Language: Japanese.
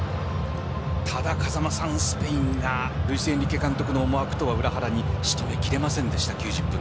ただスペインがルイスエンリケ監督の思惑とは裏腹に仕留めきれませんでした。